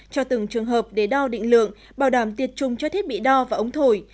cho từng trường hợp để đo định lượng bảo đảm tiệt chung cho thiết bị đo và ống thổi